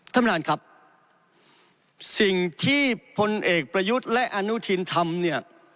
ท่านประธานครับสิ่งที่พลเอกประยุทธ์และอนุทินทำเนี่ย